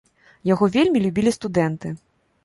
Яго вельмі любілі студэнты.